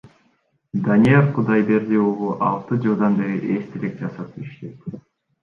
Данияр Кудайберди уулу алты жылдан бери эстелик жасап иштейт.